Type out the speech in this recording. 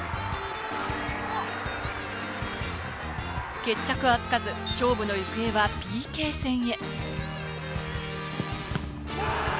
決着はつかず、勝負の行方はＰＫ戦へ。